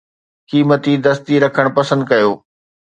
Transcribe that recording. قيمتي دستي رکڻ پسند ڪيو.